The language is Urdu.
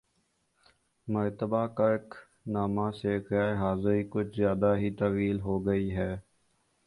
مرتبہ کرک نامہ سے غیر حاضری کچھ زیادہ ہی طویل ہوگئی ہے